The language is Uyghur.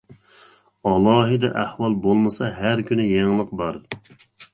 ئالاھىدە ئەھۋال بولمىسا ھەر كۈنى يېڭىلىق بار.